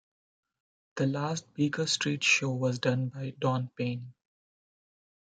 The last Beaker Street show was done by Don Payne.